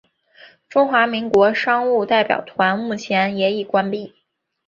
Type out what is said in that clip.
中华民国商务代表团目前也已关闭。